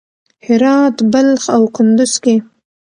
هرات، بلخ او کندز کې